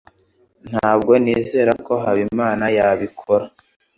Ntabwo nizera ko Habimana yabikora.